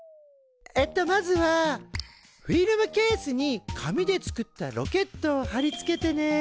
えっとまずはフィルムケースに紙で作ったロケットを貼り付けてね。